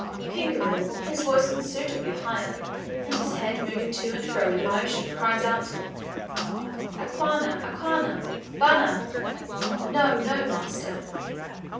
Kingaru, his voice considerably higher, and his head moving to and fro with emotion, cries out, "Akuna, akuna, bana!" "No, no, master!